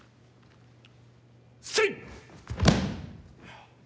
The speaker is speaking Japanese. せい！